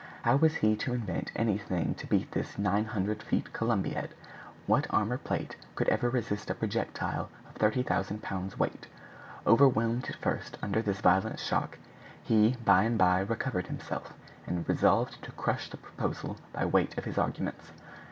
How was he to invent anything to beat this 900 feet Columbiad? What armor plate could ever resist a projectile of 30,000 pounds weight? Overwhelmed at first under this violent shock, he by and by recovered himself, and resolved to crush the proposal by weight of his arguments.